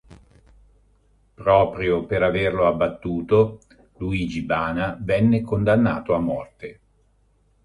Proprio per averlo abbattuto, Luigi Bana venne condannato a morte.